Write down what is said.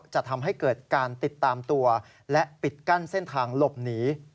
จะทำให้เกิดการติดตามตัวและปิดกั้นเส้นทางหลบหนี